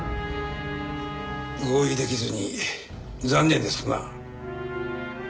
合意出来ずに残念ですな。